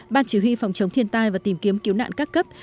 ban chỉ huy phòng chống thiên tai và tìm kiếm cứu nạn các cấp